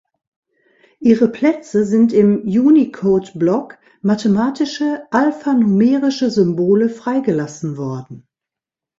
Ihre Plätze sind im Unicodeblock Mathematische alphanumerische Symbole frei gelassen worden.